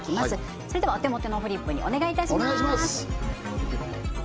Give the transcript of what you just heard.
それではお手元のフリップにお願いいたします